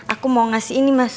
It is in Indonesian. aku mau ngasih ini mas